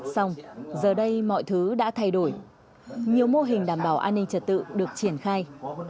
xong giờ đây mọi thứ đã thay đổi nhiều mô hình đảm bảo an ninh trật tự được triển khai